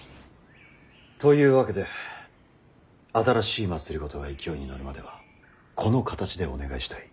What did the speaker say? というわけで新しい政が勢いに乗るまではこの形でお願いしたい。